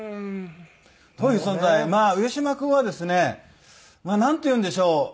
まあ上島君はですねなんというんでしょう。